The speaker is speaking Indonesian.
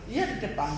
iya di depan